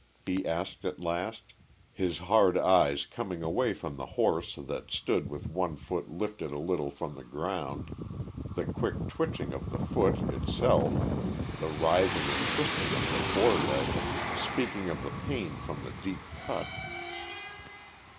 he asked at last, his hard eyes coming away from the horse that stood with one foot lifted a little from the ground, the quick twitching of the foot itself, the writhing and twisting of the foreleg, speaking of the pain from the deep cut.